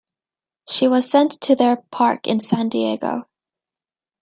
She was sent to their park in San Diego.